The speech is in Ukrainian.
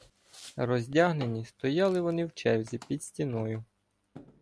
Роздягнені, стояли вони в черзі під стіною.